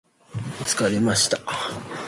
疲れました